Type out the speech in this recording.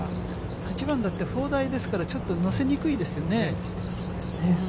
８番だって砲台ですから、ちょっと乗せにくいですよね。